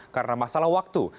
karena masalah waktu